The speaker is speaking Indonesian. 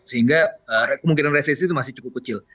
sehingga kemungkinan resesi itu masih cukup kecil